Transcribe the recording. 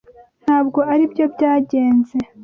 Ntabwo aribyo byagenze